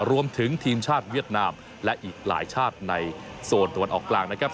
รวมถึงทีมชาติเวียดนามและอีกหลายชาติในโซนตะวันออกกลางนะครับ